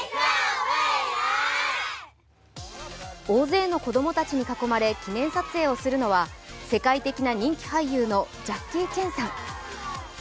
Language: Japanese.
大勢の子供たちに囲まれ記念撮影をするのは世界的な人気俳優のジャッキー・チェンさん。